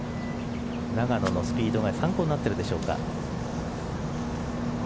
永野のスピードが参考になっているでしょうか。